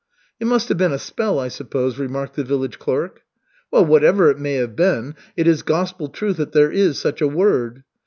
"It must have been a spell, I suppose," remarked the village clerk. "Well, whatever it may have been, it is gospel truth that there is such a 'word.'